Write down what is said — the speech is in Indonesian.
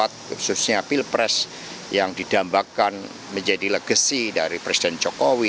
khususnya pilpres yang didambakan menjadi legacy dari presiden jokowi